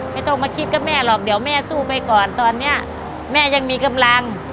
ไม่ต้องมาคิดกับแม่หรอกเดี๋ยวแม่สู้ไปก่อนตอนนี้แม่ยังมีกำลัง